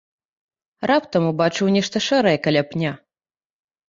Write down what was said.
Раптам убачыў нешта шэрае каля пня.